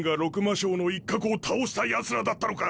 将の一角を倒したヤツらだったのか！